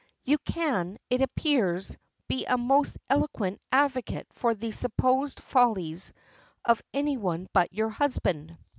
"You can, it appears, be a most eloquent advocate for the supposed follies of any one but your husband.